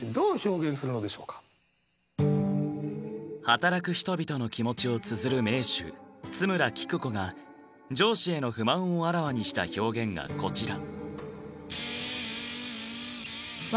働く人々の気持ちをつづる名手津村記久子が上司への不満をあらわにした表現がこちら。